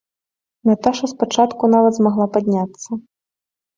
Наташа спачатку нават змагла падняцца.